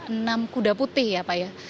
ditarik oleh enam kuda putih ya pak ya